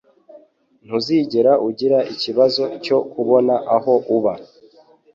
Ntuzigera ugira ikibazo cyo kubona aho uba.